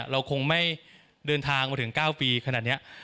เราคงไม่เดินทางมาถึง๙ปีขนาดนี้